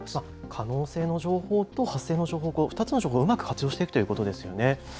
可能性の情報と発生の情報、この２つの情報をうまく活用していくということですね。